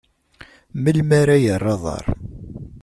Melmi ara yerr aḍar?